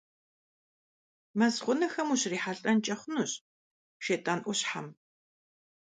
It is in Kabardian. Мэз гъунэхэм ущрихьэлӀэнкӀэ хъунущ шейтӀанӀущхъэм.